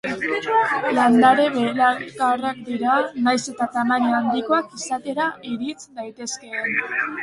Landare belarkarak dira, nahiz eta tamaina handikoak izatera irits daitezkeen.